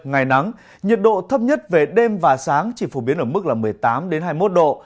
ngày nắng nhiệt độ thấp nhất về đêm và sáng chỉ phổ biến ở mức một mươi tám hai mươi một độ